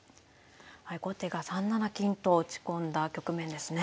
後手が３七金と打ち込んだ局面ですね。